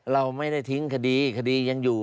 เราไม่ได้ทิ้งคดีคดียังอยู่